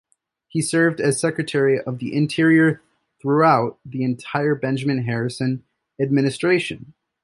He served as Secretary of the Interior throughout the entire Benjamin Harrison administration.